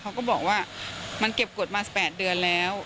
เขาก็บอกว่ามันเก็บกฎมา๘เดือนแล้ว